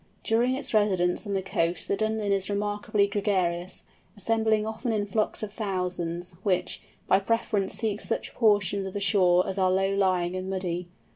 During its residence on the coast the Dunlin is remarkably gregarious, assembling often in flocks of thousands, which, by preference seek such portions of the shore as are low lying and muddy.